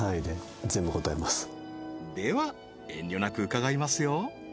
では遠慮なく伺いますよ